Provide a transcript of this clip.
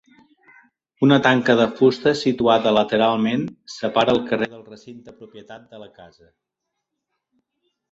Una tanca de fusta situada lateralment separa el carrer del recinte propietat de la casa.